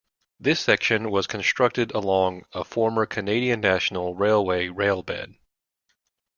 This section was constructed along a former Canadian National Railway railbed.